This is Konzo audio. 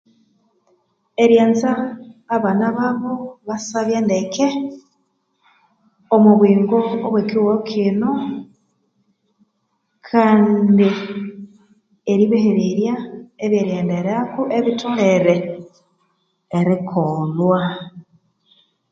Eryanza abana babo basyabya ndeke omwabuyingo bwekihugho kino kandi eribahererya abyerighenderako abitholere erikolhwa